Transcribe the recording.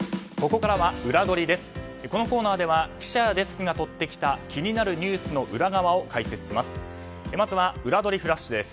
このコーナーでは記者やデスクが取ってきた気になるニュースの裏側を解説します。